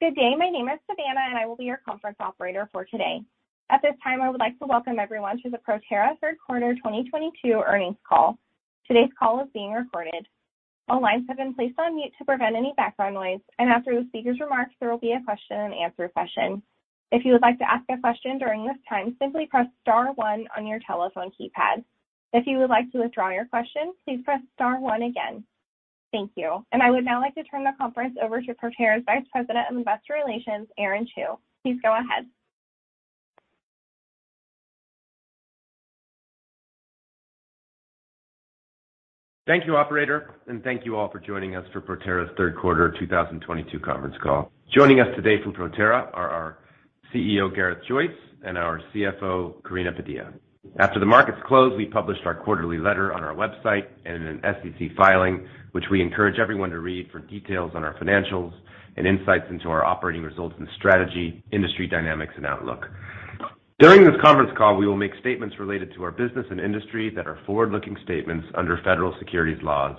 Good day. My name is Savannah, and I will be your conference operator for today. At this time, I would like to welcome everyone to the Proterra Third Quarter 2022 Earnings Call. Today's call is being recorded. All lines have been placed on mute to prevent any background noise, and after the speaker's remarks, there will be a question and answer session. If you would like to ask a question during this time, simply press star one on your telephone keypad. If you would like to withdraw your question, please press star one again. Thank you. I would now like to turn the conference over to Proterra's Vice President of Investor Relations, Aaron Chew. Please go ahead. Thank you, operator, and thank you all for joining us for Proterra's Third Quarter 2022 Conference Call. Joining us today from Proterra are our CEO, Gareth Joyce, and our CFO, Karina Padilla. After the markets closed, we published our quarterly letter on our website and in an SEC filing, which we encourage everyone to read for details on our financials and insights into our operating results and strategy, industry dynamics and outlook. During this conference call, we will make statements related to our business and industry that are forward-looking statements under federal securities laws.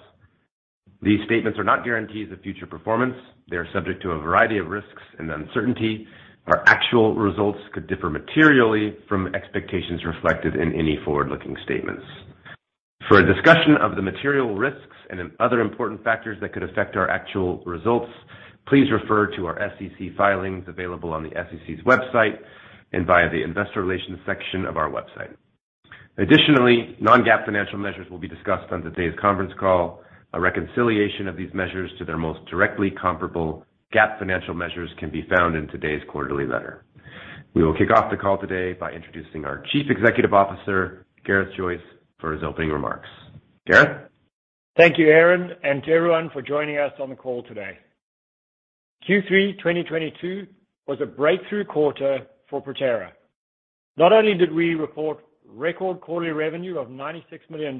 These statements are not guarantees of future performance. They are subject to a variety of risks and uncertainty. Our actual results could differ materially from expectations reflected in any forward-looking statements. For a discussion of the material risks and other important factors that could affect our actual results, please refer to our SEC filings available on the SEC's website and via the Investor Relations section of our website. Additionally, non-GAAP financial measures will be discussed on today's conference call. A reconciliation of these measures to their most directly comparable GAAP financial measures can be found in today's quarterly letter. We will kick off the call today by introducing our Chief Executive Officer, Gareth Joyce, for his opening remarks. Gareth? Thank you, Aaron, and to everyone for joining us on the call today. Q3 2022 was a breakthrough quarter for Proterra. Not only did we report record quarterly revenue of $96 million,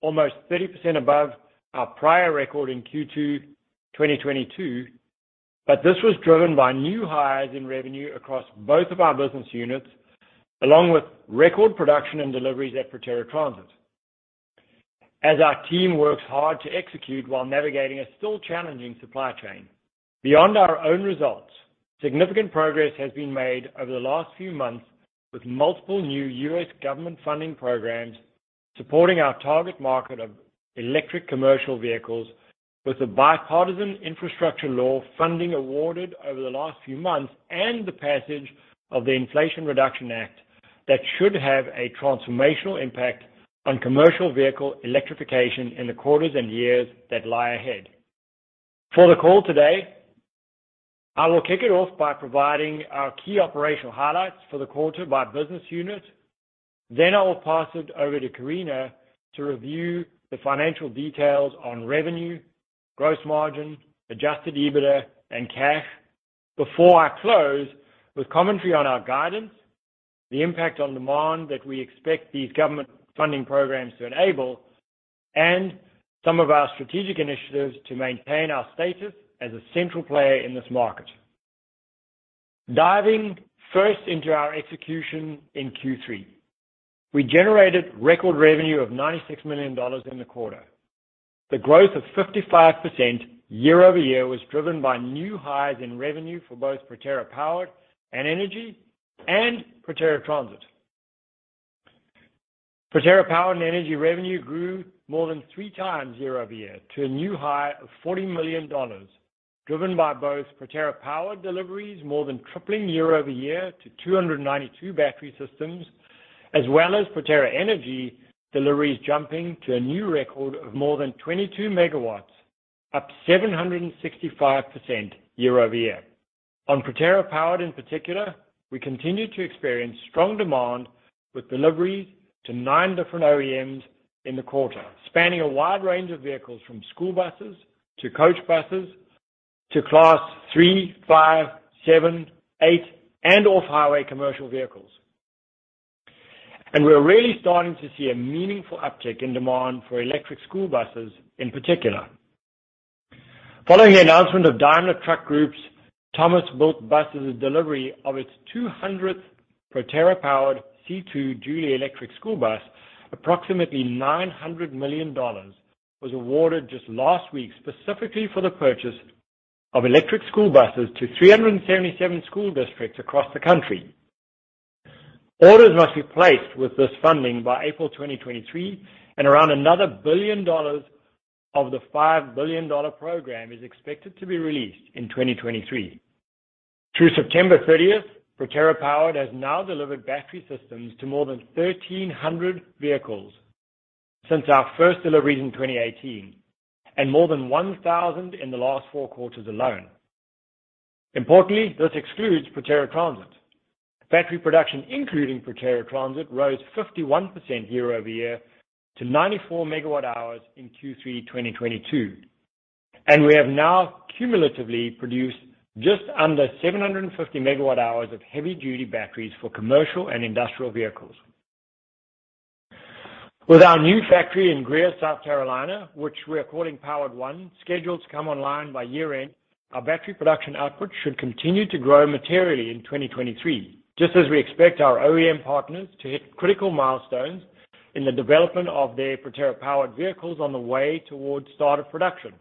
almost 30% above our prior record in Q2 2022, but this was driven by new highs in revenue across both of our business units, along with record production and deliveries at Proterra Transit. As our team works hard to execute while navigating a still challenging supply chain. Beyond our own results, significant progress has been made over the last few months with multiple new U.S. government funding programs supporting our target market of electric commercial vehicles with the Bipartisan Infrastructure Law funding awarded over the last few months, and the passage of the Inflation Reduction Act that should have a transformational impact on commercial vehicle electrification in the quarters and years that lie ahead. For the call today, I will kick it off by providing our key operational highlights for the quarter by business unit. I will pass it over to Karina to review the financial details on revenue, gross margin, adjusted EBITDA and cash before I close with commentary on our guidance, the impact on demand that we expect these government funding programs to enable, and some of our strategic initiatives to maintain our status as a central player in this market. Diving first into our execution in Q3, we generated record revenue of $96 million in the quarter. The growth of 55% year-over-year was driven by new highs in revenue for both Proterra Powered and Energy and Proterra Transit. Proterra Powered and Energy revenue grew more than three times year-over-year to a new high of $40 million, driven by both Proterra Powered deliveries, more than tripling year-over-year to 292 battery systems, as well as Proterra Energy deliveries jumping to a new record of more than 22 MW, up 765% year-over-year. On Proterra Powered in particular, we continue to experience strong demand with deliveries to nine different OEMs in the quarter, spanning a wide range of vehicles from school buses to coach buses to Class 3, 5, 7, 8 and off-highway commercial vehicles. We're really starting to see a meaningful uptick in demand for electric school buses in particular. Following the announcement of Daimler Truck Group's Thomas Built Buses delivery of its 200th Proterra Powered C2 Jouley electric school bus, approximately $900 million was awarded just last week specifically for the purchase of electric school buses to 377 school districts across the country. Orders must be placed with this funding by April 2023, and around another $1 billion of the $5 billion program is expected to be released in 2023. Through September 30th, Proterra Powered has now delivered battery systems to more than 1,300 vehicles since our first deliveries in 2018, and more than 1,000 in the last four quarters alone. Importantly, this excludes Proterra Transit. Battery production, including Proterra Transit, rose 51% year-over-year to 94 MWh in Q3 2022, and we have now cumulatively produced just under 750 MWh of heavy-duty batteries for commercial and industrial vehicles. With our new factory in Greer, South Carolina, which we are calling Powered 1, scheduled to come online by year-end, our battery production output should continue to grow materially in 2023, just as we expect our OEM partners to hit critical milestones in the development of their Proterra Powered vehicles on the way towards start of production.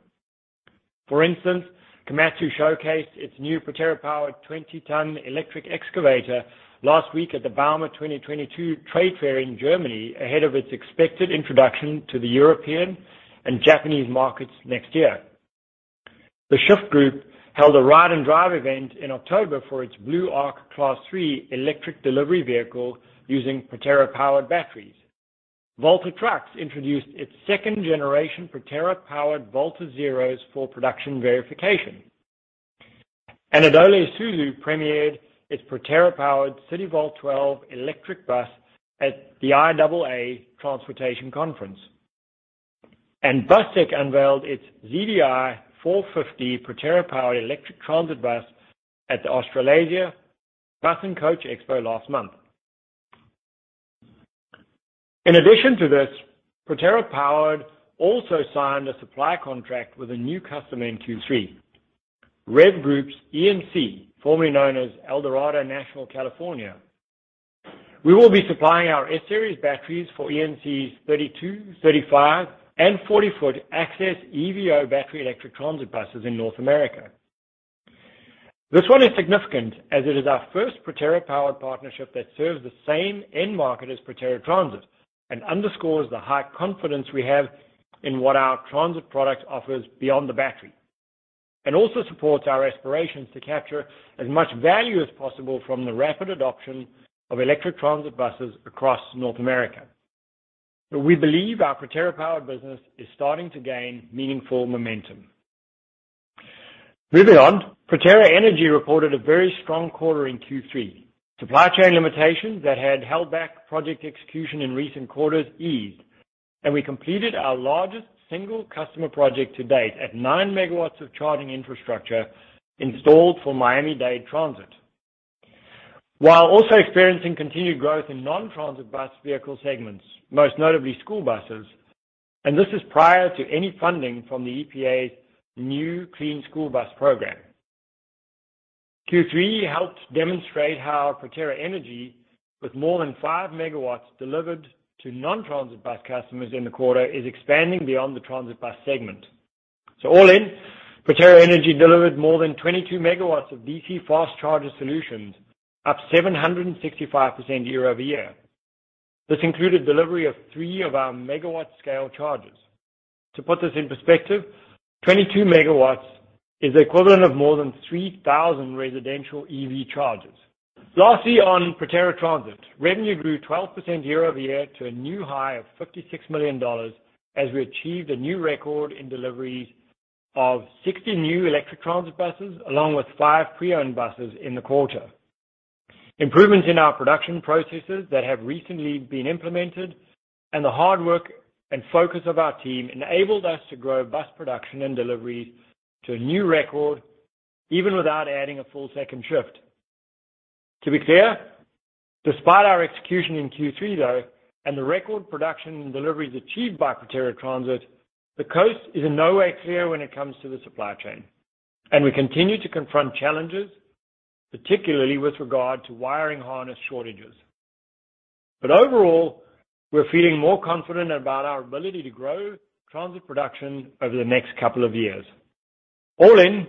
For instance, Komatsu showcased its new Proterra Powered 20-ton electric excavator last week at the bauma 2022 trade fair in Germany, ahead of its expected introduction to the European and Japanese markets next year. The Shyft Group held a ride and drive event in October for its Blue Arc Class 3 electric delivery vehicle using Proterra Powered batteries. Volta Trucks introduced its second generation Proterra Powered Volta Zeros for production verification. Anadolu Isuzu premiered its Proterra Powered CitiVOLT 12 electric bus at the IAA Transportation Conference. BusTech unveiled its ZDI-450 Proterra Powered electric transit bus at the Australasia Bus and Coach Expo last month. In addition to this, Proterra Powered also signed a supply contract with a new customer in Q3, REV Group's ENC, formerly known as ElDorado National (California). We will be supplying our S-Series batteries for ENC's 32, 35, and 40-foot Axess EVO battery electric transit buses in North America. This one is significant as it is our first Proterra Powered partnership that serves the same end market as Proterra Transit and underscores the high confidence we have in what our transit product offers beyond the battery. Also supports our aspirations to capture as much value as possible from the rapid adoption of electric transit buses across North America. We believe our Proterra Powered business is starting to gain meaningful momentum. Moving on, Proterra Energy reported a very strong quarter in Q3. Supply chain limitations that had held back project execution in recent quarters eased, and we completed our largest single customer project to date at 9 MW of charging infrastructure installed for Miami-Dade Transit, while also experiencing continued growth in non-transit bus vehicle segments, most notably school buses. This is prior to any funding from the EPA's new Clean School Bus Program. Q3 helped demonstrate how Proterra Energy, with more than 5 MW delivered to non-transit bus customers in the quarter, is expanding beyond the transit bus segment. All in, Proterra Energy delivered more than 22 MW of DC fast charger solutions, up 765% year-over-year. This included delivery of three of our megawatt scale chargers. To put this in perspective, 22 MW is the equivalent of more than 3,000 residential EV chargers. Lastly, on Proterra Transit, revenue grew 12% year-over-year to a new high of $56 million, as we achieved a new record in deliveries of 60 new electric transit buses, along with five pre-owned buses in the quarter. Improvements in our production processes that have recently been implemented and the hard work and focus of our team enabled us to grow bus production and deliveries to a new record, even without adding a full second shift. To be clear, despite our execution in Q3, though, and the record production and deliveries achieved by Proterra Transit, the coast is in no way clear when it comes to the supply chain. We continue to confront challenges, particularly with regard to wiring harness shortages. Overall, we're feeling more confident about our ability to grow transit production over the next couple of years. All in,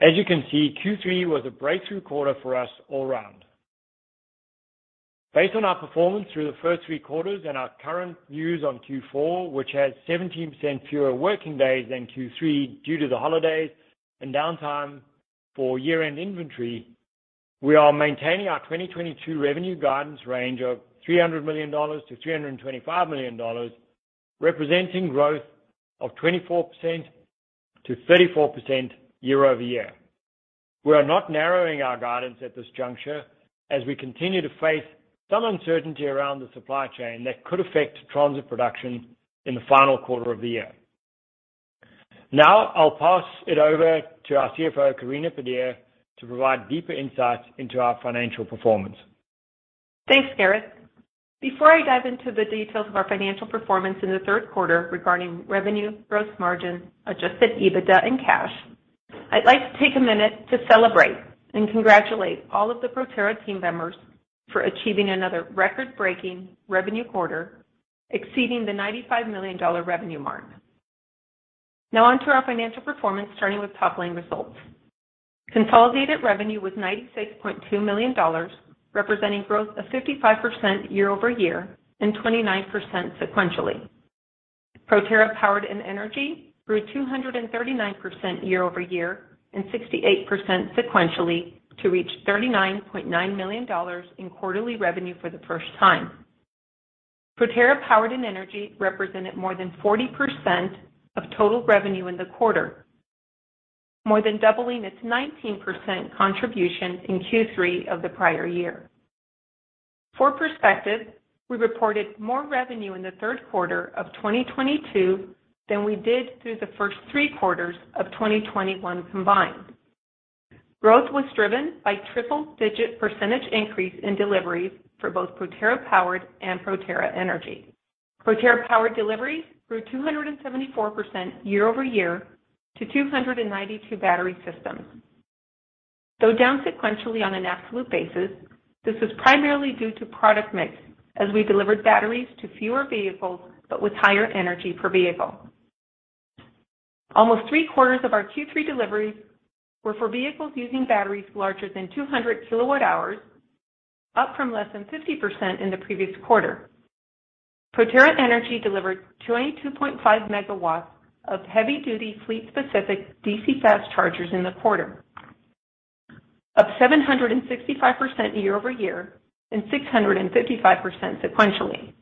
as you can see, Q3 was a breakthrough quarter for us all round. Based on our performance through the first three quarters and our current views on Q4, which has 17% fewer working days than Q3 due to the holidays and downtime for year-end inventory, we are maintaining our 2022 revenue guidance range of $300 million-$325 million, representing growth of 24%-34% year-over-year. We are not narrowing our guidance at this juncture as we continue to face some uncertainty around the supply chain that could affect transit production in the final quarter of the year. Now I'll pass it over to our CFO, Karina Padilla, to provide deeper insight into our financial performance. Thanks, Gareth. Before I dive into the details of our financial performance in the third quarter regarding revenue, gross margin, adjusted EBITDA and cash, I'd like to take a minute to celebrate and congratulate all of the Proterra team members for achieving another record-breaking revenue quarter, exceeding the $95 million revenue mark. Now on to our financial performance, starting with top-line results. Consolidated revenue was $96.2 million, representing growth of 55% year-over-year and 29% sequentially. Proterra Powered and Energy grew 239% year-over-year and 68% sequentially to reach $39.9 million in quarterly revenue for the first time. Proterra Powered and Energy represented more than 40% of total revenue in the quarter, more than doubling its 19% contribution in Q3 of the prior year. For perspective, we reported more revenue in the third quarter of 2022 than we did through the first three quarters of 2021 combined. Growth was driven by triple-digit percentage increase in deliveries for both Proterra Powered and Proterra Energy. Proterra Powered deliveries grew 274% year-over-year to 292 battery systems. Though down sequentially on an absolute basis, this was primarily due to product mix as we delivered batteries to fewer vehicles but with higher energy per vehicle. Almost three quarters of our Q3 deliveries were for vehicles using batteries larger than 200 kWh, up from less than 50% in the previous quarter. Proterra Energy delivered 22.5 MW of heavy-duty fleet specific DC fast chargers in the quarter, up 765% year-over-year and 655% sequentially.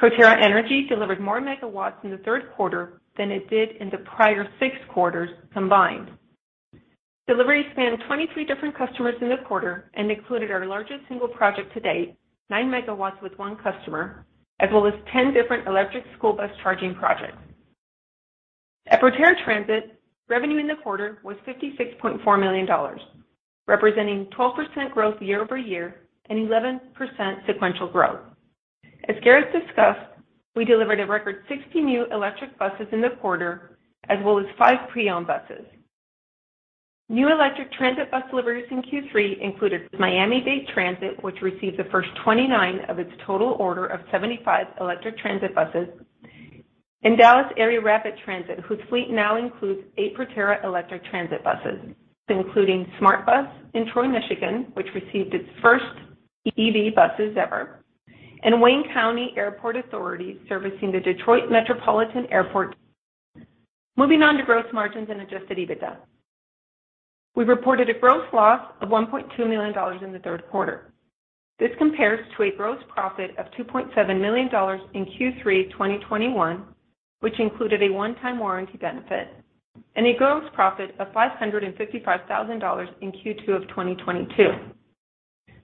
Proterra Energy delivered more megawatts in the third quarter than it did in the prior six quarters combined. Deliveries spanned 23 different customers in the quarter and included our largest single project to date, 9 MW with one customer, as well as 10 different electric school bus charging projects. At Proterra Transit, revenue in the quarter was $56.4 million, representing 12% growth year-over-year and 11% sequential growth. As Gareth discussed, we delivered a record 60 new electric buses in the quarter as well as five pre-owned buses. New electric transit bus deliveries in Q3 included Miami-Dade Transit, which received the first 29 of its total order of 75 electric transit buses, and Dallas Area Rapid Transit, whose fleet now includes eight Proterra electric transit buses, including SMART Bus in Troy, Michigan, which received its first EV buses ever, and Wayne County Airport Authority, servicing the Detroit Metropolitan Airport. Moving on to gross margins and adjusted EBITDA. We reported a gross loss of $1.2 million in the third quarter. This compares to a gross profit of $2.7 million in Q3 of 2021, which included a one-time warranty benefit and a gross profit of $555,000 in Q2 of 2022.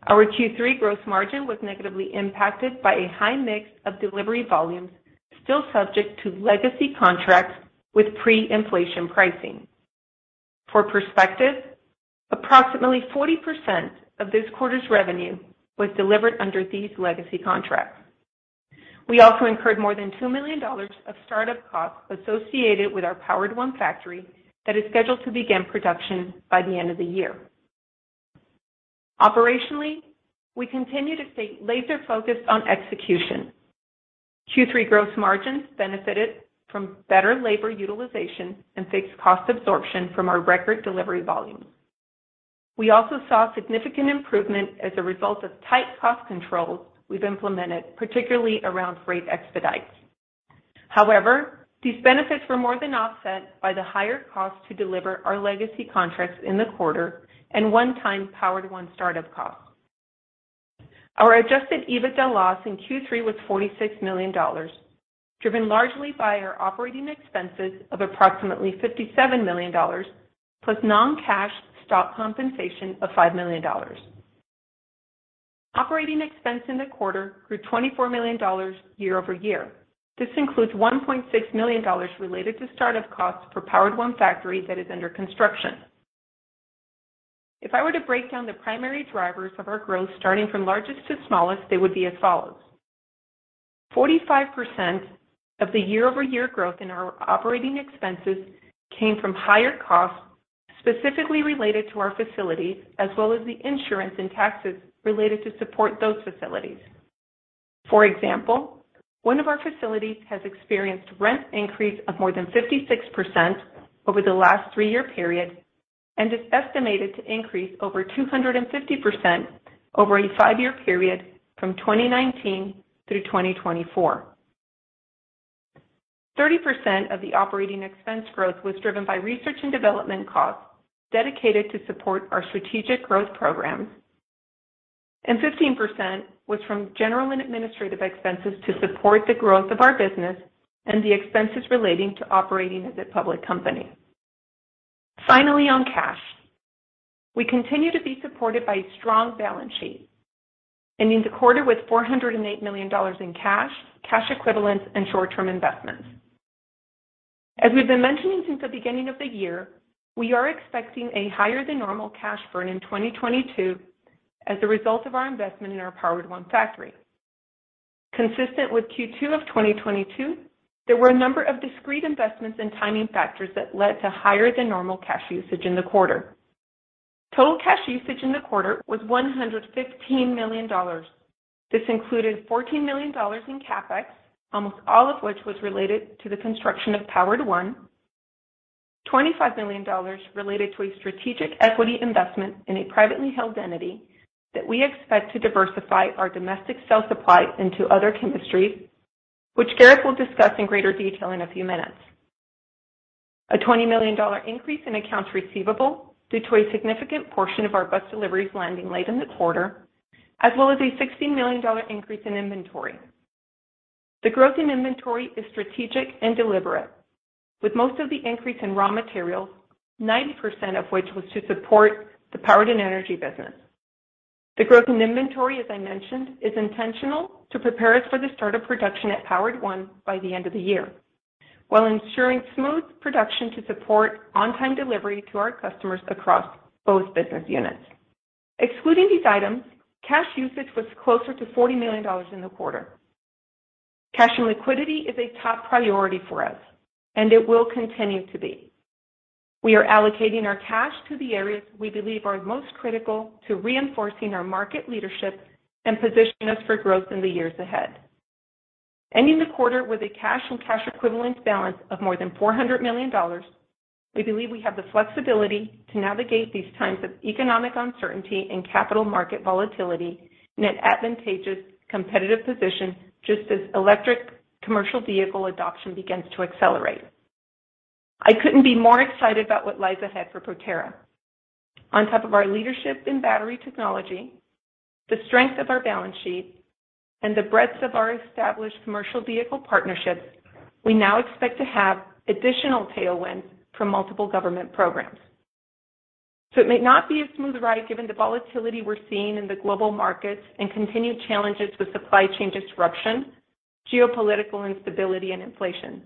Our Q3 gross margin was negatively impacted by a high mix of delivery volumes still subject to legacy contracts with pre-inflation pricing. For perspective, approximately 40% of this quarter's revenue was delivered under these legacy contracts. We also incurred more than $2 million of start-up costs associated with our Powered 1 factory that is scheduled to begin production by the end of the year. Operationally, we continue to stay laser-focused on execution. Q3 gross margins benefited from better labor utilization and fixed cost absorption from our record delivery volumes. We also saw significant improvement as a result of tight cost controls we've implemented, particularly around freight expedites. However, these benefits were more than offset by the higher cost to deliver our legacy contracts in the quarter and one-time Powered 1 start-up costs. Our adjusted EBITDA loss in Q3 was $46 million, driven largely by our operating expenses of approximately $57 million, plus non-cash stock compensation of $5 million. Operating expense in the quarter grew $24 million year over year. This includes $1.6 million related to start-up costs for Powered 1 factory that is under construction. If I were to break down the primary drivers of our growth, starting from largest to smallest, they would be as follows. 45% of the year-over-year growth in our operating expenses came from higher costs specifically related to our facilities, as well as the insurance and taxes related to support those facilities. For example, one of our facilities has experienced rent increase of more than 56% over the last three-year period and is estimated to increase over 250% over a five-year period from 2019 through 2024. 30% of the operating expense growth was driven by research and development costs dedicated to support our strategic growth programs, and 15% was from general and administrative expenses to support the growth of our business and the expenses relating to operating as a public company. Finally, on cash. We continue to be supported by a strong balance sheet, ending the quarter with $408 million in cash, cash equivalents, and short-term investments. As we've been mentioning since the beginning of the year, we are expecting a higher than normal cash burn in 2022 as a result of our investment in our Powered 1 factory. Consistent with Q2 of 2022, there were a number of discrete investments and timing factors that led to higher than normal cash usage in the quarter. Total cash usage in the quarter was $115 million. This included $14 million in CapEx, almost all of which was related to the construction of Powered 1. $25 million related to a strategic equity investment in a privately held entity that we expect to diversify our domestic cell supply into other chemistries, which Gareth will discuss in greater detail in a few minutes. A $20 million increase in accounts receivable due to a significant portion of our bus deliveries landing late in the quarter, as well as a $16 million increase in inventory. The growth in inventory is strategic and deliberate with most of the increase in raw materials, 90% of which was to support the Proterra Energy business. The growth in inventory, as I mentioned, is intentional to prepare us for the start of production at Powered 1 by the end of the year, while ensuring smooth production to support on-time delivery to our customers across both business units. Excluding these items, cash usage was closer to $40 million in the quarter. Cash and liquidity is a top priority for us, and it will continue to be. We are allocating our cash to the areas we believe are most critical to reinforcing our market leadership and position us for growth in the years ahead. Ending the quarter with a cash and cash equivalents balance of more than $400 million, we believe we have the flexibility to navigate these times of economic uncertainty and capital market volatility in an advantageous competitive position just as electric commercial vehicle adoption begins to accelerate. I couldn't be more excited about what lies ahead for Proterra. On top of our leadership in battery technology, the strength of our balance sheet, and the breadth of our established commercial vehicle partnerships, we now expect to have additional tailwinds from multiple government programs. It may not be a smooth ride given the volatility we're seeing in the global markets and continued challenges with supply chain disruption, geopolitical instability, and inflation.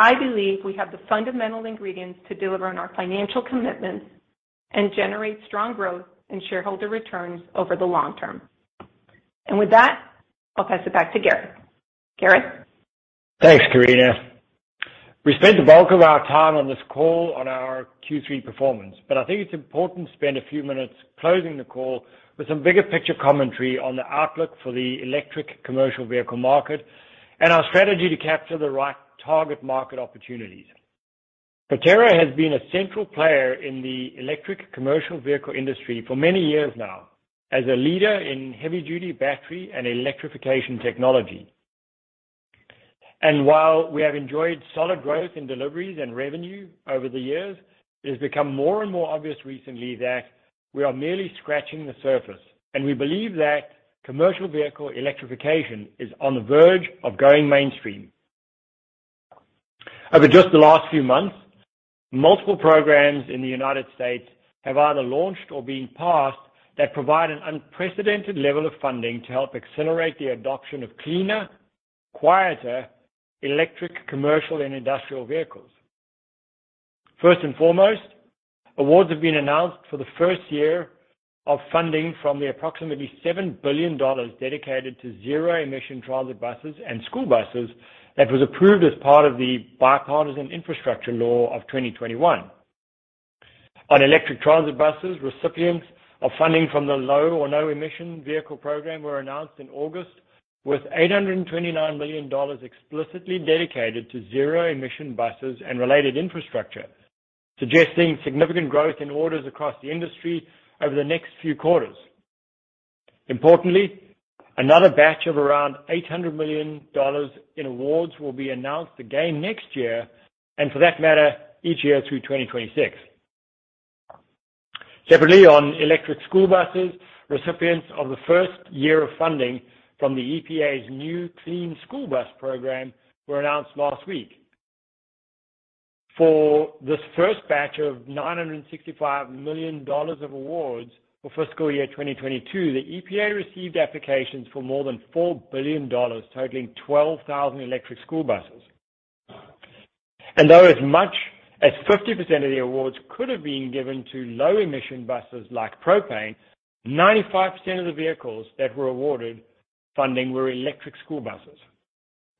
I believe we have the fundamental ingredients to deliver on our financial commitments and generate strong growth in shareholder returns over the long term. With that, I'll pass it back to Gareth. Gareth? Thanks, Karina. We spent the bulk of our time on this call on our Q3 performance, but I think it's important to spend a few minutes closing the call with some bigger picture commentary on the outlook for the electric commercial vehicle market and our strategy to capture the right target market opportunities. Proterra has been a central player in the electric commercial vehicle industry for many years now as a leader in heavy-duty battery and electrification technology. While we have enjoyed solid growth in deliveries and revenue over the years, it has become more and more obvious recently that we are merely scratching the surface, and we believe that commercial vehicle electrification is on the verge of going mainstream. Over just the last few months, multiple programs in the United States have either launched or been passed that provide an unprecedented level of funding to help accelerate the adoption of cleaner, quieter, electric, commercial, and industrial vehicles. First and foremost, awards have been announced for the first year of funding from the approximately $7 billion dedicated to zero-emission transit buses and school buses that was approved as part of the Bipartisan Infrastructure Law of 2021. On electric transit buses, recipients of funding from the Low or No Emission Vehicle Program were announced in August, with $829 million explicitly dedicated to zero-emission buses and related infrastructure, suggesting significant growth in orders across the industry over the next few quarters. Importantly, another batch of around $800 million in awards will be announced again next year, and for that matter, each year through 2026. Separately, on electric school buses, recipients of the first year of funding from the EPA's new Clean School Bus program were announced last week. For this first batch of $965 million of awards for fiscal year 2022, the EPA received applications for more than $4 billion, totaling 12,000 electric school buses. Though as much as 50% of the awards could have been given to low-emission buses like propane, 95% of the vehicles that were awarded funding were electric school buses.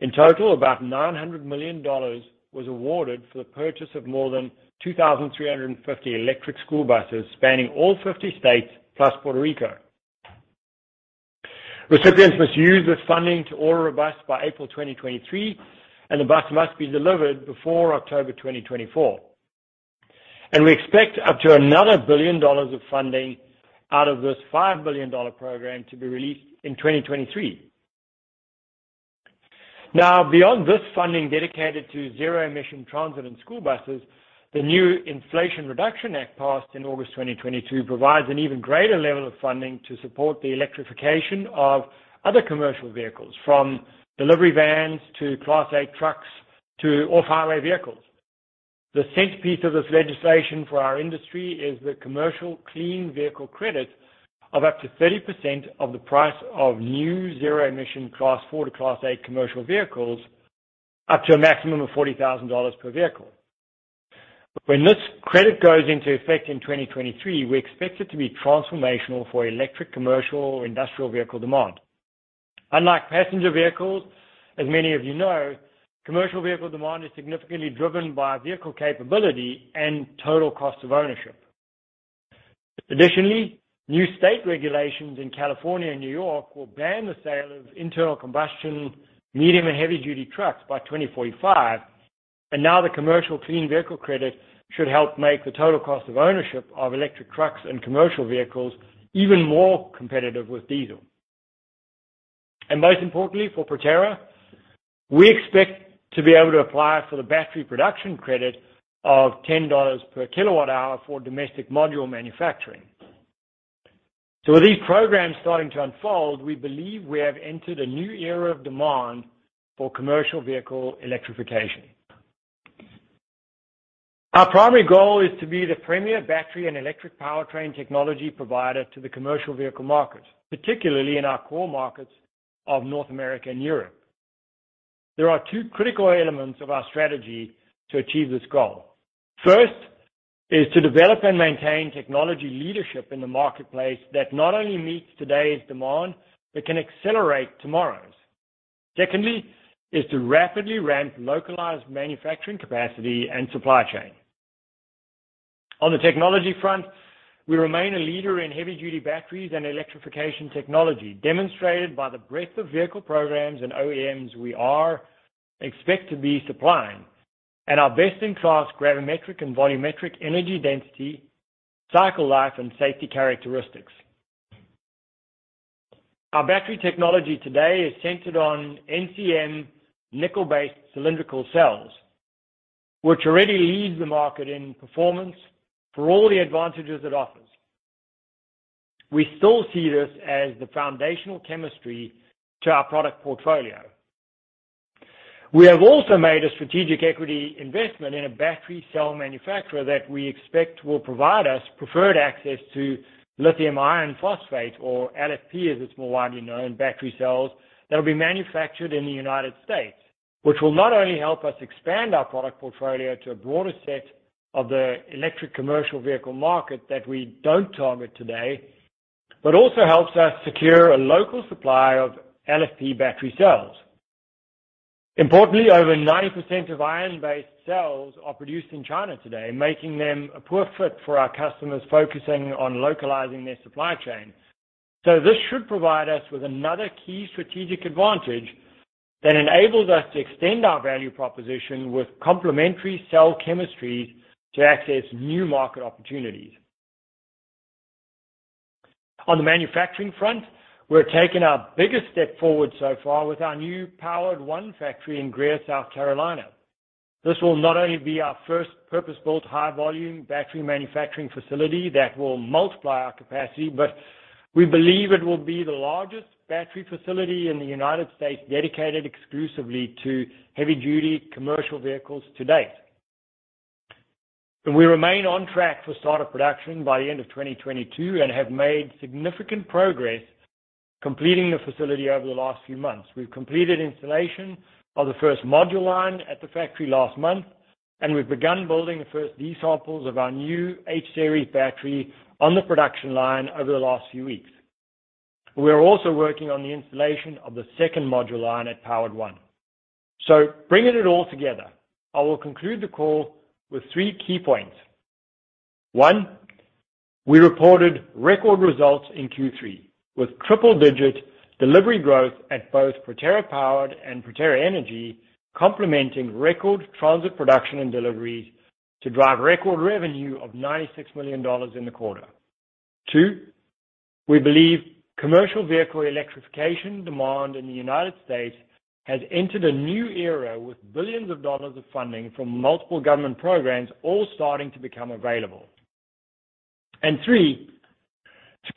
In total, about $900 million was awarded for the purchase of more than 2,350 electric school buses spanning all 50 states plus Puerto Rico. Recipients must use this funding to order a bus by April 2023, and the bus must be delivered before October 2024. We expect up to another $1 billion of funding out of this $5 billion program to be released in 2023. Now, beyond this funding dedicated to zero-emission transit and school buses, the new Inflation Reduction Act passed in August 2022 provides an even greater level of funding to support the electrification of other commercial vehicles, from delivery vans to Class 8 trucks to off-highway vehicles. The centerpiece of this legislation for our industry is the commercial clean vehicle credit of up to 30% of the price of new zero-emission Class 4 to Class 8 commercial vehicles, up to a maximum of $40,000 per vehicle. When this credit goes into effect in 2023, we expect it to be transformational for electric commercial or industrial vehicle demand. Unlike passenger vehicles, as many of you know, commercial vehicle demand is significantly driven by vehicle capability and total cost of ownership. Additionally, new state regulations in California and New York will ban the sale of internal combustion, medium and heavy-duty trucks by 2045, and now the Commercial Clean Vehicle Credit should help make the total cost of ownership of electric trucks and commercial vehicles even more competitive with diesel. Most importantly, for Proterra, we expect to be able to apply for the battery production credit of $10 per kWh for domestic module manufacturing. With these programs starting to unfold, we believe we have entered a new era of demand for commercial vehicle electrification. Our primary goal is to be the premier battery and electric powertrain technology provider to the commercial vehicle market, particularly in our core markets of North America and Europe. There are two critical elements of our strategy to achieve this goal. First is to develop and maintain technology leadership in the marketplace that not only meets today's demand, but can accelerate tomorrow's. Secondly is to rapidly ramp localized manufacturing capacity and supply chain. On the technology front, we remain a leader in heavy duty batteries and electrification technology, demonstrated by the breadth of vehicle programs and OEMs we are expected to be supplying, and our best-in-class gravimetric and volumetric energy density, cycle life, and safety characteristics. Our battery technology today is centered on NCM nickel-based cylindrical cells, which already leads the market in performance for all the advantages it offers. We still see this as the foundational chemistry to our product portfolio. We have also made a strategic equity investment in a battery cell manufacturer that we expect will provide us preferred access to lithium iron phosphate, or LFP, as it's more widely known, battery cells that will be manufactured in the United States, which will not only help us expand our product portfolio to a broader set of the electric commercial vehicle market that we don't target today, but also helps us secure a local supply of LFP battery cells. Importantly, over 90% of iron-based cells are produced in China today, making them a poor fit for our customers focusing on localizing their supply chain. This should provide us with another key strategic advantage that enables us to extend our value proposition with complementary cell chemistries to access new market opportunities. On the manufacturing front, we're taking our biggest step forward so far with our new Powered 1 factory in Greer, South Carolina. This will not only be our first purpose-built, high volume battery manufacturing facility that will multiply our capacity, but we believe it will be the largest battery facility in the United States dedicated exclusively to heavy duty commercial vehicles to date. We remain on track for start of production by the end of 2022 and have made significant progress completing the facility over the last few months. We've completed installation of the first module line at the factory last month, and we've begun building the first D samples of our new H-Series battery on the production line over the last few weeks. We are also working on the installation of the second module line at Powered 1. Bringing it all together, I will conclude the call with three key points. One, we reported record results in Q3 with triple-digit delivery growth at both Proterra Powered and Proterra Energy, complementing record transit production and deliveries to drive record revenue of $96 million in the quarter. Two, we believe commercial vehicle electrification demand in the United States has entered a new era with billions of dollars of funding from multiple government programs all starting to become available. Three,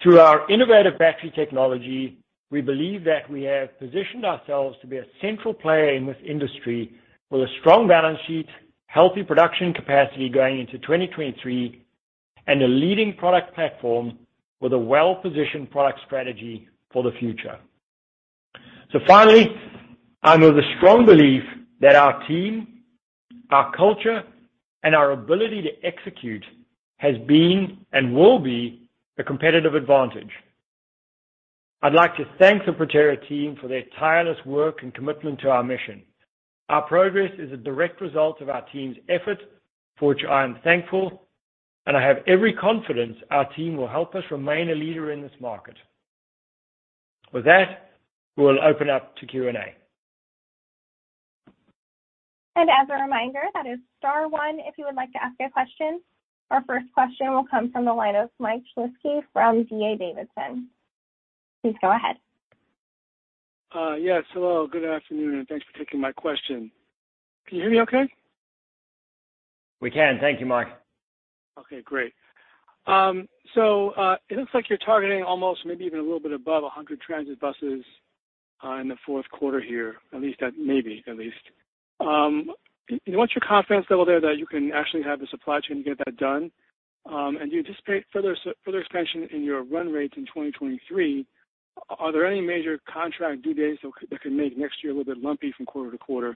through our innovative battery technology, we believe that we have positioned ourselves to be a central player in this industry with a strong balance sheet, healthy production capacity going into 2023, and a leading product platform with a well-positioned product strategy for the future. Finally, I'm of the strong belief that our team, our culture, and our ability to execute has been and will be a competitive advantage. I'd like to thank the Proterra team for their tireless work and commitment to our mission. Our progress is a direct result of our team's effort, for which I am thankful, and I have every confidence our team will help us remain a leader in this market. With that, we'll open up to Q&A. As a reminder, that is star one if you would like to ask a question. Our first question will come from the line of Mike Shlisky from D.A. Davidson. Please go ahead. Yes, hello, good afternoon, and thanks for taking my question. Can you hear me okay? We can. Thank you, Mike. Okay, great. It looks like you're targeting almost maybe even a little bit above 100 transit buses in the fourth quarter here, at least. What's your confidence level there that you can actually have the supply chain to get that done? And do you anticipate further expansion in your run rates in 2023? Are there any major contract due dates that could make next year a little bit lumpy from quarter to quarter?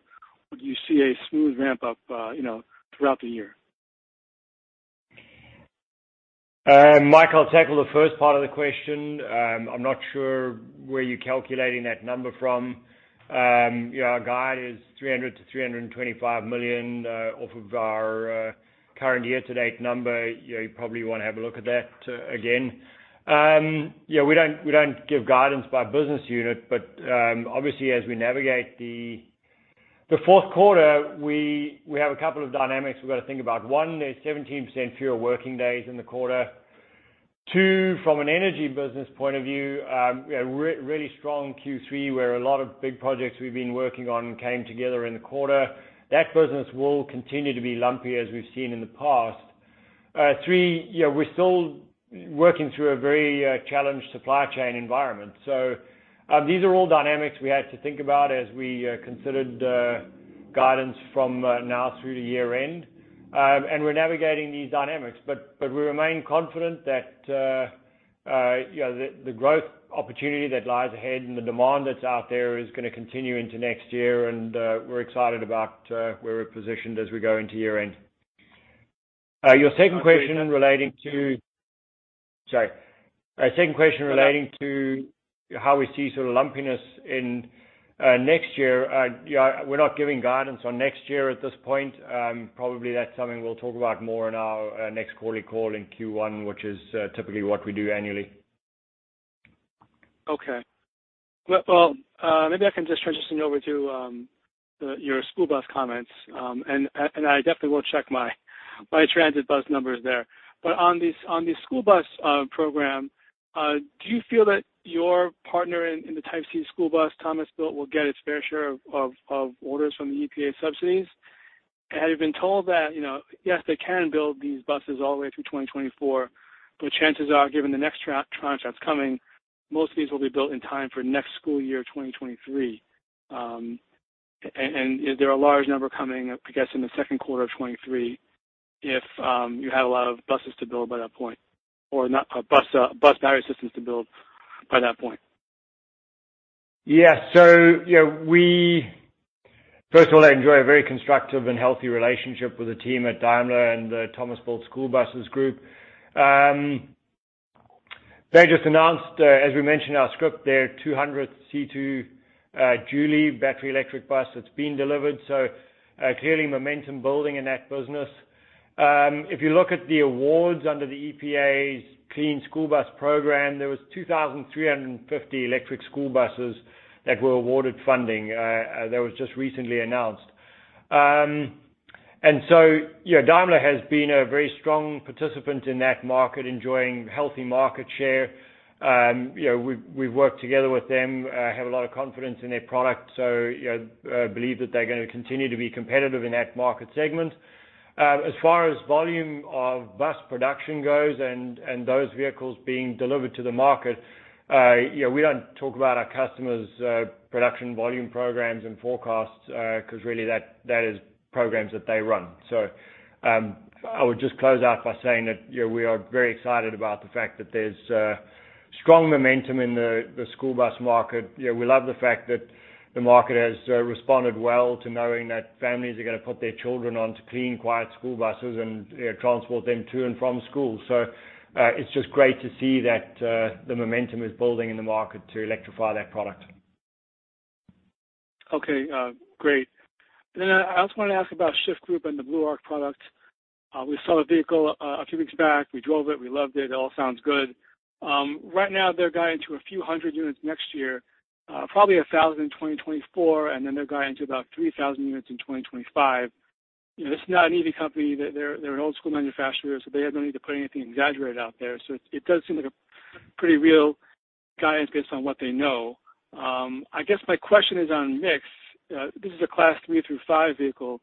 Or do you see a smooth ramp up, you know, throughout the year? Mike, I'll tackle the first part of the question. I'm not sure where you're calculating that number from. You know, our guide is $300 million-$325 million off of our current year to date number. You know, you probably wanna have a look at that again. Yeah, we don't give guidance by business unit, but obviously as we navigate the fourth quarter, we have a couple of dynamics we've gotta think about. One, there's 17% fewer working days in the quarter. Two, from an energy business point of view, a really strong Q3, where a lot of big projects we've been working on came together in the quarter. That business will continue to be lumpy as we've seen in the past. Three, you know, we're still working through a very challenged supply chain environment. These are all dynamics we had to think about as we considered guidance from now through to year-end. We're navigating these dynamics, but we remain confident that you know, the growth opportunity that lies ahead and the demand that's out there is gonna continue into next year, and we're excited about where we're positioned as we go into year-end. Your second question relating to how we see sort of lumpiness in next year. Yeah, we're not giving guidance on next year at this point. Probably that's something we'll talk about more in our next quarterly call in Q1, which is typically what we do annually. Okay. Well, maybe I can just transition you over to your school bus comments. I definitely will check my transit bus numbers there. On the school bus program, do you feel that your partner in the Type C school bus, Thomas Built, will get its fair share of orders from the EPA subsidies? Had you been told that, you know, yes, they can build these buses all the way through 2024, but chances are, given the next tranche that's coming, most of these will be built in time for next school year, 2023. Is there a large number coming, I'm guessing in the second quarter of 2023, if you had a lot of buses to build by that point, or not. Bus battery systems to build by that point? First of all, I enjoy a very constructive and healthy relationship with the team at Daimler and the Thomas Built School Buses group. They just announced, as we mentioned in our script, their 200th C2 Jouley battery electric bus that's been delivered, so clearly momentum building in that business. If you look at the awards under the EPA's Clean School Bus Program, there was 2,350 electric school buses that were awarded funding, that was just recently announced. You know, Daimler has been a very strong participant in that market, enjoying healthy market share. You know, we work together with them, have a lot of confidence in their product, so you know, believe that they're gonna continue to be competitive in that market segment. As far as volume of bus production goes and those vehicles being delivered to the market, you know, we don't talk about our customers' production volume programs and forecasts, 'cause really that is programs that they run. I would just close out by saying that, you know, we are very excited about the fact that there's strong momentum in the school bus market. You know, we love the fact that the market has responded well to knowing that families are gonna put their children onto clean, quiet school buses and, you know, transport them to and from school. It's just great to see that the momentum is building in the market to electrify that product. Okay, great. I also wanted to ask about The Shyft Group and the Blue Arc product. We saw the vehicle a few weeks back. We drove it, we loved it all sounds good. Right now, they're guiding to a few hundred units next year, probably 1,000 in 2024, and then they're guiding to about 3,000 units in 2025. You know, this is not an easy company. They're an old school manufacturer, so they have no need to put anything exaggerated out there. It does seem like a pretty real guidance based on what they know. I guess my question is on mix. This is a class three through five vehicle,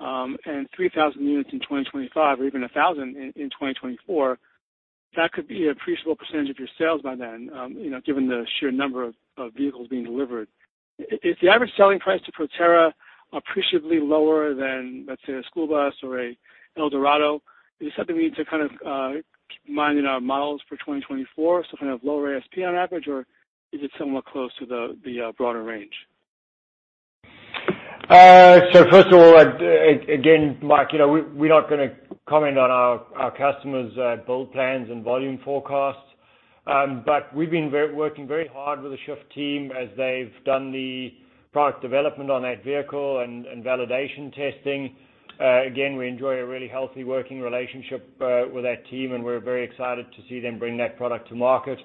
and 3,000 units in 2025 or even 1,000 in 2024, that could be an appreciable percentage of your sales by then, you know, given the sheer number of vehicles being delivered. Is the average selling price to Proterra appreciably lower than, let's say, a school bus or an ElDorado? Is this something we need to kind of keep in mind in our models for 2024, some kind of lower ASP on average, or is it somewhat close to the broader range? First of all, again, Mike, you know, we're not gonna comment on our customers' build plans and volume forecasts. We've been working very hard with the Shyft team as they've done the product development on that vehicle and validation testing. Again, we enjoy a really healthy working relationship with that team, and we're very excited to see them bring that product to market.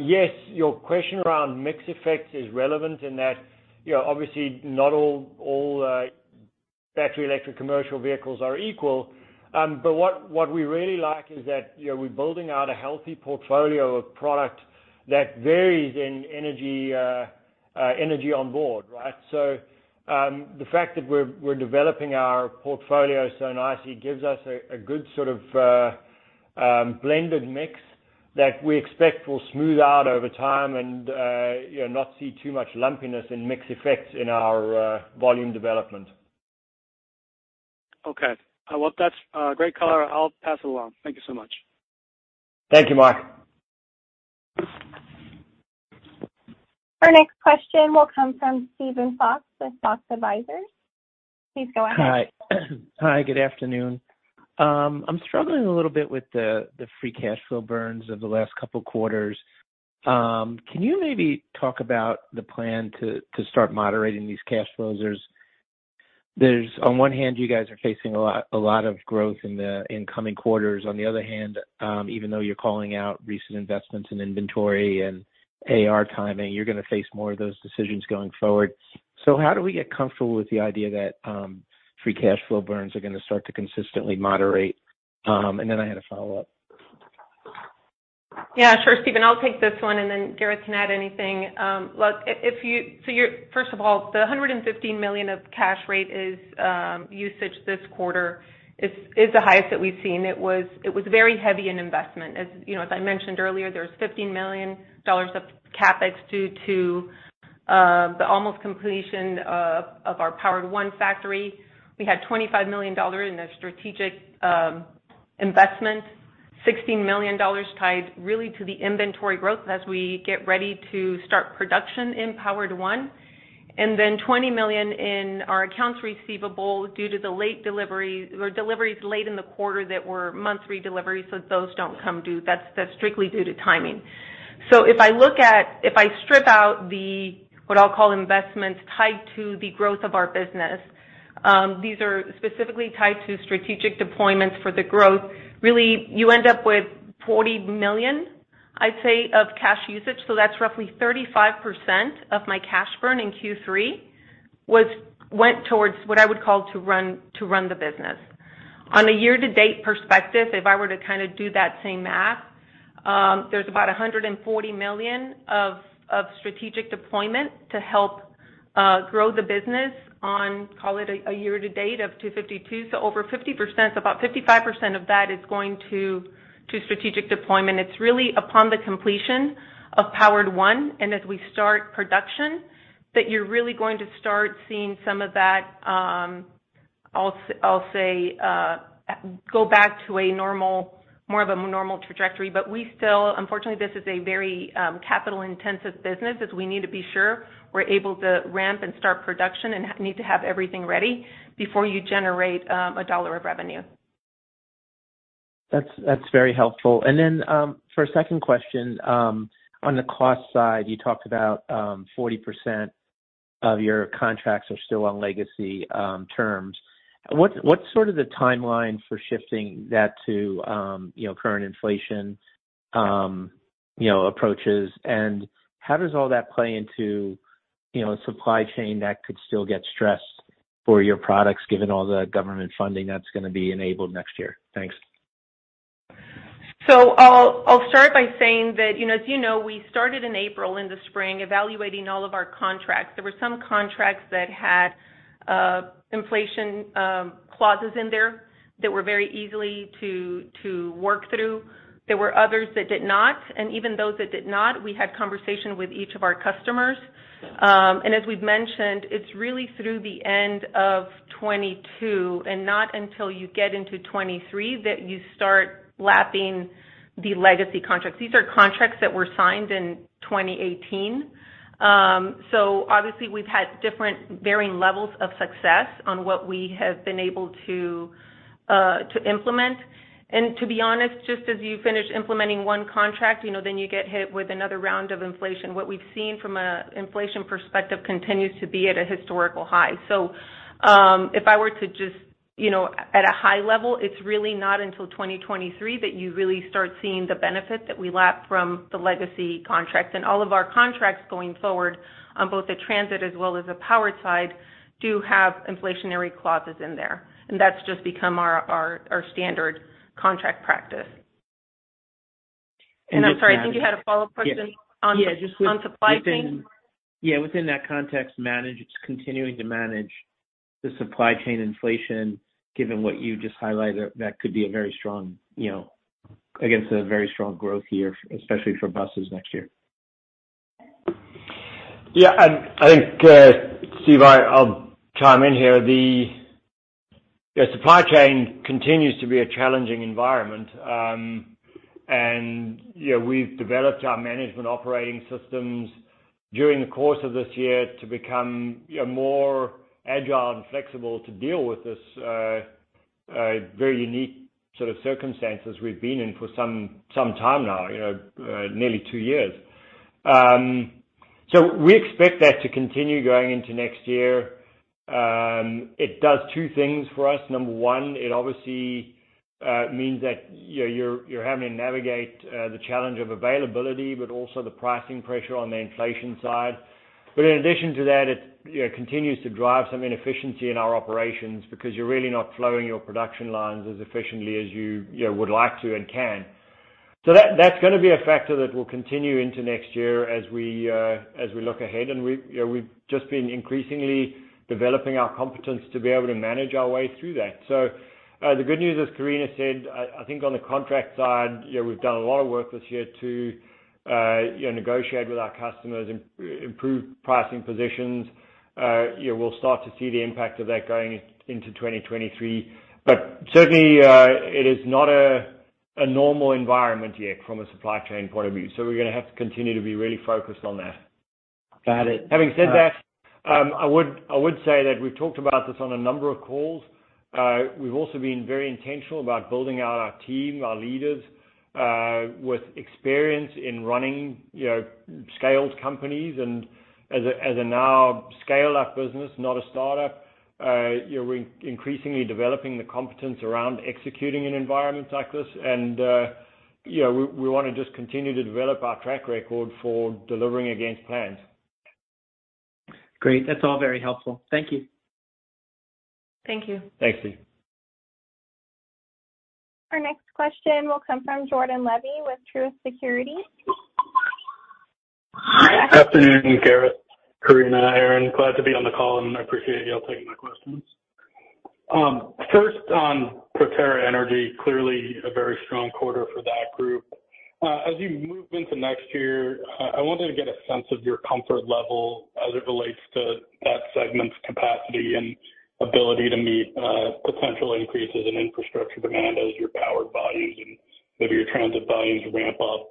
Yes, your question around mix effects is relevant in that, you know, obviously not all battery electric commercial vehicles are equal. What we really like is that, you know, we're building out a healthy portfolio of product that varies in energy on board, right? The fact that we're developing our portfolio so nicely gives us a good sort of blended mix that we expect will smooth out over time and, you know, not see too much lumpiness and mix effects in our volume development. Okay. Well, that's a great color. I'll pass it along. Thank you so much. Thank you, Mike. Our next question will come from Steven Fox with Fox Advisors. Please go ahead. Hi. Hi, good afternoon. I'm struggling a little bit with the free cash flow burns of the last couple quarters. Can you maybe talk about the plan to start moderating these cash flows? There's on one hand, you guys are facing a lot of growth in the incoming quarters. On the other hand, even though you're calling out recent investments in inventory and AR timing, you're gonna face more of those decisions going forward. How do we get comfortable with the idea that free cash flow burns are gonna start to consistently moderate? Then I had a follow-up. Yeah, sure, Steven. I'll take this one, and then Gareth can add anything. First of all, the $115 million of cash rate is, usage this quarter is the highest that we've seen. It was very heavy in investment. As you know, as I mentioned earlier, there was $15 million of CapEx due to the almost completion of our Powered 1 factory. We had $25 million in a strategic investment. $16 million tied really to the inventory growth as we get ready to start production in Powered 1. Then $20 million in our accounts receivable due to the late delivery or deliveries late in the quarter that were month-end delivery, so those don't come due. That's strictly due to timing. If I strip out what I'll call investments tied to the growth of our business, these are specifically tied to strategic deployments for the growth. Really, you end up with $40 million, I'd say, of cash usage. That's roughly 35% of my cash burn in Q3 went towards what I would call to run the business. On a year-to-date perspective, if I were to kind of do that same math, there's about $140 million of strategic deployment to help grow the business on, call it a year-to-date of $252 million. Over 50%, about 55% of that is going to strategic deployment. It's really upon the completion of Powered 1, and as we start production, that you're really going to start seeing some of that, I'll say, go back to a normal, more of a normal trajectory. We still, unfortunately, this is a very capital-intensive business, as we need to be sure we're able to ramp and start production and need to have everything ready before you generate a dollar of revenue. That's very helpful. For a second question, on the cost side, you talked about 40% of your contracts are still on legacy terms. What's sort of the timeline for shifting that to you know, current inflation you know, approaches? How does all that play into you know, supply chain that could still get stressed for your products, given all the government funding that's gonna be enabled next year? Thanks. I'll start by saying that, you know, as you know, we started in April, in the spring, evaluating all of our contracts. There were some contracts that had inflation clauses in there that were very easily to work through. There were others that did not, and even those that did not, we had conversation with each of our customers. As we've mentioned, it's really through the end of 2022, and not until you get into 2023 that you start lapping the legacy contracts. These are contracts that were signed in 2018. Obviously we've had different varying levels of success on what we have been able to to implement. To be honest, just as you finish implementing one contract, you know, then you get hit with another round of inflation. What we've seen from an inflation perspective continues to be at a historical high. If I were to just, you know, at a high level, it's really not until 2023 that you really start seeing the benefit that we lap from the legacy contracts. All of our contracts going forward on both the transit as well as the powered side do have inflationary clauses in there. That's just become our standard contract practice. I'm sorry, I think you had a follow-up question. Yeah. On supply chain. Yeah, within that context, continuing to manage the supply chain inflation, given what you just highlighted, that could be a very strong, you know, I guess, a very strong growth year, especially for buses next year. Yeah, I think, Steve, I'll chime in here. The supply chain continues to be a challenging environment. You know, we've developed our management operating systems during the course of this year to become, you know, more agile and flexible to deal with this very unique sort of circumstances we've been in for some time now, you know, nearly two years. We expect that to continue going into next year. It does two things for us. Number one, it obviously means that, you know, you're having to navigate the challenge of availability, but also the pricing pressure on the inflation side. In addition to that, it you know continues to drive some inefficiency in our operations because you're really not flowing your production lines as efficiently as you you know would like to and can. That that's gonna be a factor that will continue into next year as we look ahead. We you know we've just been increasingly developing our competence to be able to manage our way through that. The good news, as Karina said, I think on the contract side, you know, we've done a lot of work this year to you know negotiate with our customers, improve pricing positions. You know, we'll start to see the impact of that going into 2023. Certainly, it is not a normal environment yet from a supply chain point of view. We're gonna have to continue to be really focused on that. Got it. Having said that, I would say that we've talked about this on a number of calls. We've also been very intentional about building out our team, our leaders, with experience in running, you know, scaled companies. As a now scaled-up business, not a startup, you know, we're increasingly developing the competence around executing an environment like this. You know, we wanna just continue to develop our track record for delivering against plans. Great. That's all very helpful. Thank you. Thank you. Thanks, Steve. Our next question will come from Jordan Levy with Truist Securities. Hi. Afternoon, Gareth, Karina, Aaron. Glad to be on the call, and I appreciate y'all taking my questions. First on Proterra Energy, clearly a very strong quarter for that group. As you move into next year, I wanted to get a sense of your comfort level as it relates to that segment's capacity and ability to meet potential increases in infrastructure demand as your powered volumes and maybe your transit volumes ramp up,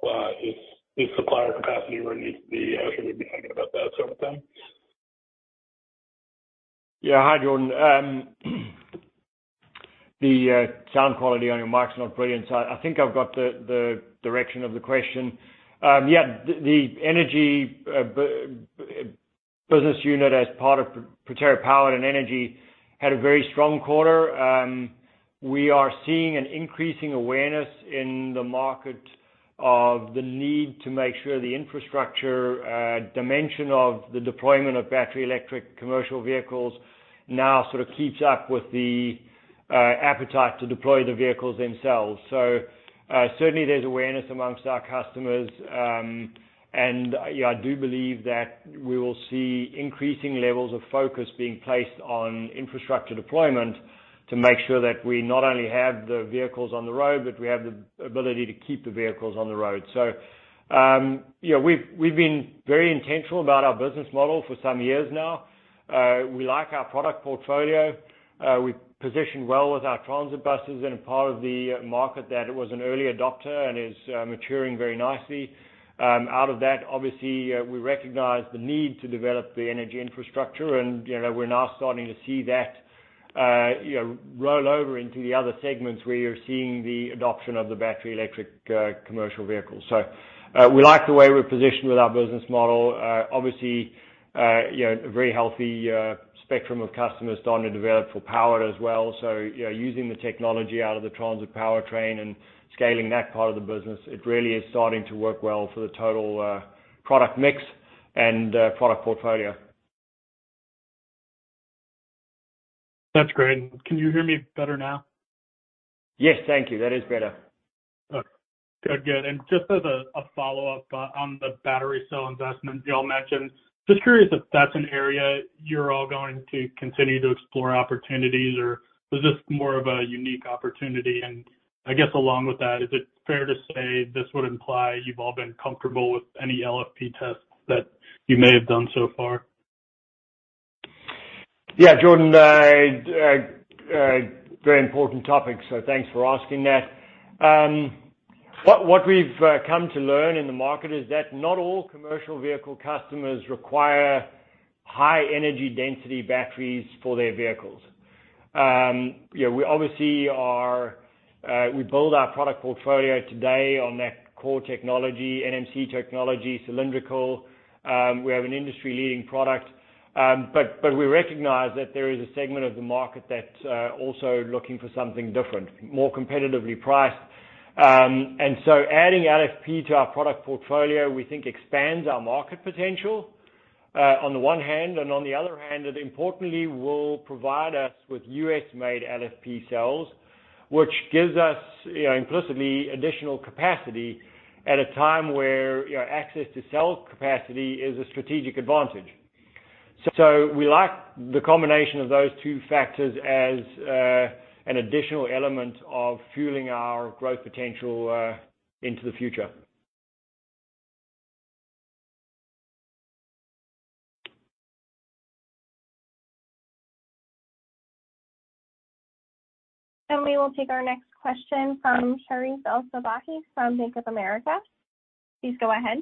is supplier capacity where it needs to be? I don't know if you'd be thinking about that sort of thing. Yeah. Hi, Jordan. The sound quality on your mic's not brilliant, so I think I've got the direction of the question. The energy business unit as part of Proterra Powered and Energy had a very strong quarter. We are seeing an increasing awareness in the market of the need to make sure the infrastructure dimension of the deployment of battery electric commercial vehicles now sort of keeps up with the appetite to deploy the vehicles themselves. Certainly there's awareness among our customers, and I do believe that we will see increasing levels of focus being placed on infrastructure deployment to make sure that we not only have the vehicles on the road, but we have the ability to keep the vehicles on the road. We've been very intentional about our business model for some years now. We like our product portfolio. We've positioned well with our transit buses in a part of the market that it was an early adopter and is maturing very nicely. Out of that, obviously, we recognize the need to develop the energy infrastructure and, you know, we're now starting to see that roll over into the other segments where you're seeing the adoption of the battery electric commercial vehicles. We like the way we're positioned with our business model. Obviously, you know, a very healthy spectrum of customers starting to develop for power as well. You know, using the technology out of the transit powertrain and scaling that part of the business, it really is starting to work well for the total product mix and product portfolio. That's great. Can you hear me better now? Yes, thank you. That is better. Okay, good. Just as a follow-up on the battery cell investment y'all mentioned, just curious if that's an area you're all going to continue to explore opportunities or was this more of a unique opportunity? I guess along with that, is it fair to say this would imply you've all been comfortable with any LFP tests that you may have done so far? Yeah, Jordan, very important topic, so thanks for asking that. What we've come to learn in the market is that not all commercial vehicle customers require high energy density batteries for their vehicles. You know, we obviously build our product portfolio today on that core technology, NMC technology, cylindrical. We have an industry-leading product, but we recognize that there is a segment of the market that also looking for something different, more competitively priced. Adding LFP to our product portfolio, we think expands our market potential, on the one hand, and on the other hand, it importantly will provide us with U.S. made LFP cells, which gives us, you know, implicitly additional capacity at a time where, you know, access to cell capacity is a strategic advantage. We like the combination of those two factors as an additional element of fueling our growth potential into the future. We will take our next question from Sherif El-Sabbahy from Bank of America. Please go ahead.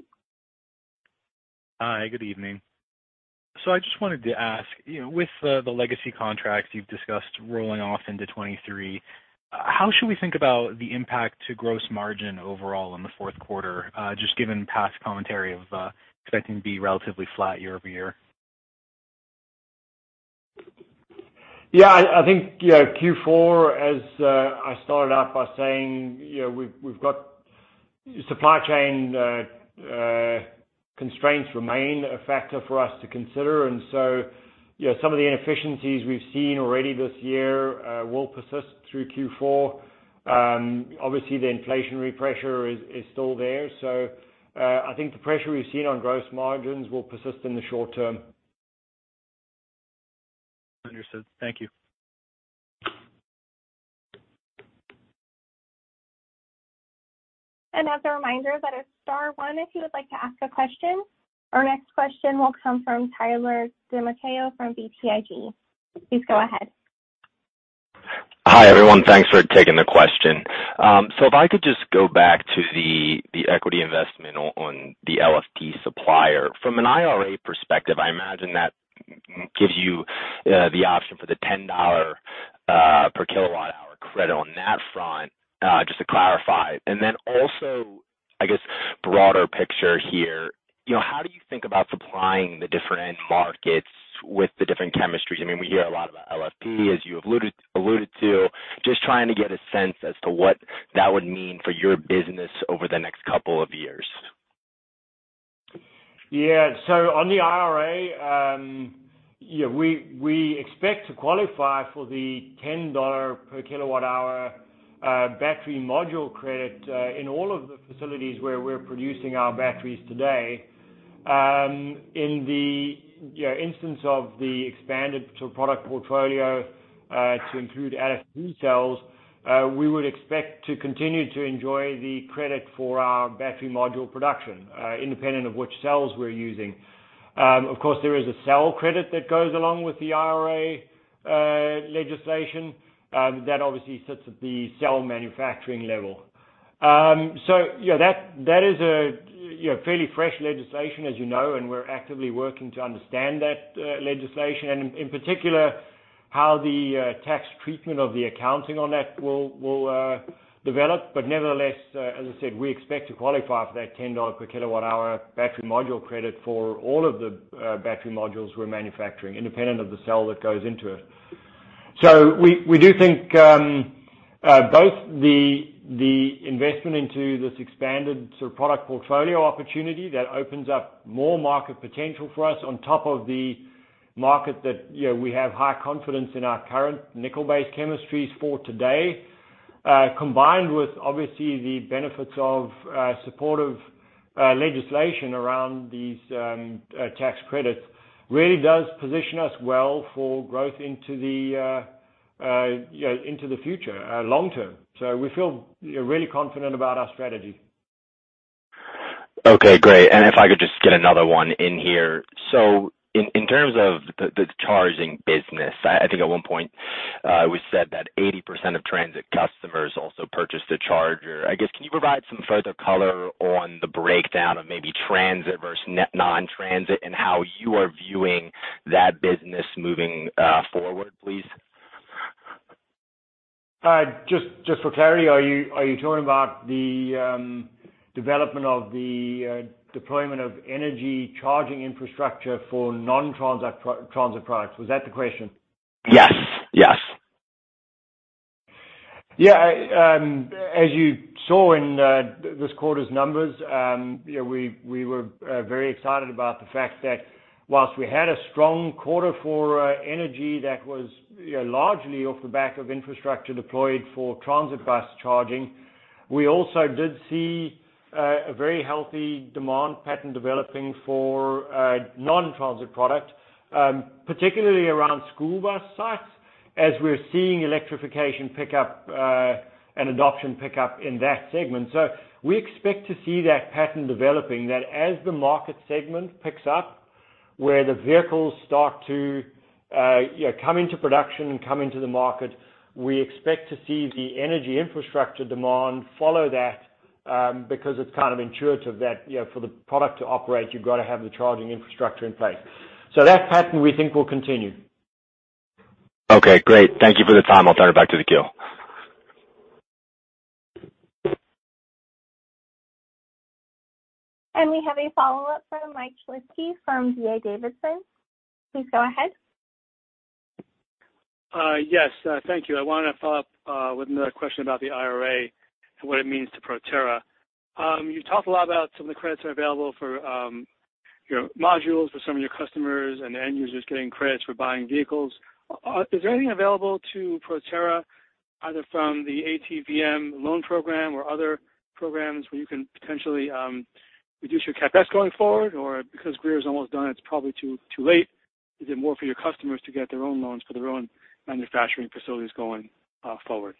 Hi, good evening. I just wanted to ask, you know, with the legacy contracts you've discussed rolling off into 2023, how should we think about the impact to gross margin overall in the fourth quarter, just given past commentary of expecting to be relatively flat year-over-year? Yeah, I think, you know, Q4, as I started out by saying, you know, we've got supply chain constraints remain a factor for us to consider. You know, some of the inefficiencies we've seen already this year will persist through Q4. Obviously the inflationary pressure is still there. I think the pressure we've seen on gross margins will persist in the short term. Understood. Thank you. As a reminder that it's star one if you would like to ask a question. Our next question will come from Tyler DiMatteo from BTIG. Please go ahead. Hi, everyone. Thanks for taking the question. So if I could just go back to the equity investment on the LFP supplier. From an IRA perspective, I imagine that gives you the option for the $10 per kWh credit on that front, just to clarify. I guess, broader picture here, you know, how do you think about supplying the different end markets with the different chemistries? I mean, we hear a lot about LFP, as you alluded to, just trying to get a sense as to what that would mean for your business over the next couple of years. Yeah. On the IRA, we expect to qualify for the $10 per kWh battery module credit in all of the facilities where we're producing our batteries today. In the you know instance of the expanded product portfolio to include LFP cells, we would expect to continue to enjoy the credit for our battery module production independent of which cells we're using. Of course, there is a cell credit that goes along with the IRA legislation that obviously sits at the cell manufacturing level. Yeah, that is a you know fairly fresh legislation, as you know, and we're actively working to understand that legislation and in particular, how the tax treatment of the accounting on that will develop. Nevertheless, as I said, we expect to qualify for that $10 per kWh battery module credit for all of the battery modules we're manufacturing, independent of the cell that goes into it. We do think both the investment into this expanded sort of product portfolio opportunity that opens up more market potential for us on top of the market that, you know, we have high confidence in our current nickel-based chemistries for today, combined with obviously the benefits of supportive legislation around these tax credits, really does position us well for growth into the, you know, future long term. We feel, you know, really confident about our strategy. Okay, great. If I could just get another one in here. In terms of the charging business, I think at one point it was said that 80% of transit customers also purchased a charger. I guess, can you provide some further color on the breakdown of maybe transit versus non-transit and how you are viewing that business moving forward, please? Just for clarity, are you talking about the development of the deployment of energy charging infrastructure for non-transit products? Was that the question? Yes. Yes. Yeah. As you saw in this quarter's numbers, you know, we were very excited about the fact that while we had a strong quarter for energy that was, you know, largely off the back of infrastructure deployed for transit bus charging, we also did see a very healthy demand pattern developing for non-transit product, particularly around school bus sites, as we're seeing electrification pick up and adoption pick up in that segment. We expect to see that pattern developing as the market segment picks up, where the vehicles start to, you know, come into production and come into the market. We expect to see the energy infrastructure demand follow that because it's kind of intuitive that, you know, for the product to operate, you've got to have the charging infrastructure in place. That pattern, we think, will continue. Okay, great. Thank you for the time. I'll turn it back to the queue. We have a follow-up from Mike Shlisky from D.A. Davidson. Please go ahead. Yes. Thank you. I wanted to follow up with another question about the IRA and what it means to Proterra. You talked a lot about some of the credits that are available for your modules for some of your customers and the end users getting credits for buying vehicles. Is there anything available to Proterra, either from the ATVM loan program or other programs where you can potentially reduce your CapEx going forward? Or because Greer is almost done, it's probably too late. Is it more for your customers to get their own loans for their own manufacturing facilities going forward?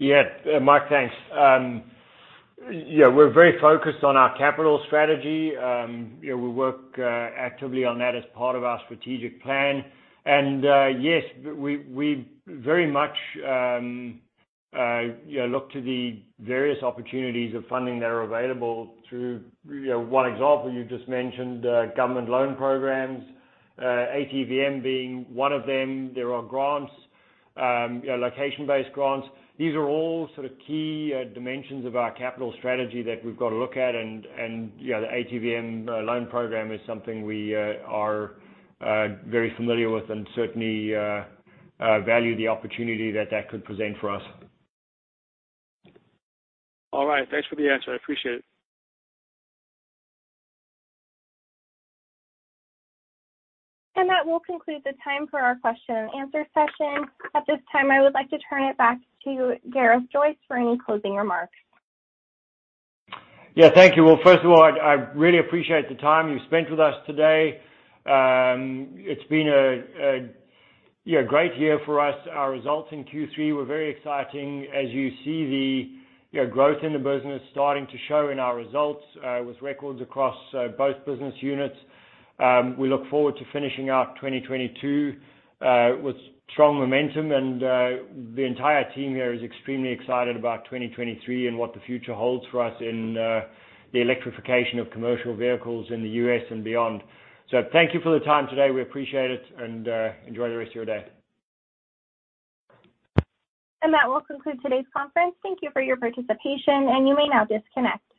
Yeah. Mike, thanks. Yeah, we're very focused on our capital strategy. You know, we work actively on that as part of our strategic plan. Yes, we very much, you know, look to the various opportunities of funding that are available through, you know, one example you just mentioned, government loan programs, ATVM being one of them. There are grants, you know, location-based grants. These are all sort of key dimensions of our capital strategy that we've got to look at. You know, the ATVM loan program is something we are very familiar with and certainly value the opportunity that that could present for us. All right. Thanks for the answer. I appreciate it. That will conclude the time for our question and answer session. At this time, I would like to turn it back to Gareth Joyce for any closing remarks. Yeah, thank you. Well, first of all, I really appreciate the time you've spent with us today. It's been a you know, great year for us. Our results in Q3 were very exciting. As you see the you know, growth in the business starting to show in our results, with records across both business units. We look forward to finishing out 2022 with strong momentum. The entire team here is extremely excited about 2023 and what the future holds for us in the electrification of commercial vehicles in the U.S. and beyond. Thank you for the time today. We appreciate it and enjoy the rest of your day. That will conclude today's conference. Thank you for your participation, and you may now disconnect.